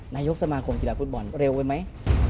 นายกสมาคมกีฬาฟุตบอลเร็วไปไหม